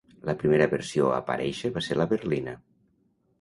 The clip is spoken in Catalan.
La primera versió a aparèixer va ser la berlina.